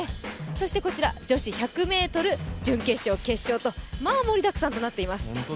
そしてこちら女子１００ｍ準決勝、決勝とまあ盛りだくさんとなっています。